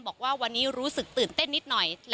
บอกว่าวันนี้รู้สึกตื่นเต้นนิดหน่อย